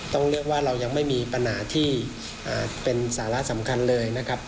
ต้องเรียกว่าเรายังไม่มีปัญหาที่เป็นสาระสำคัญเลยนะครับ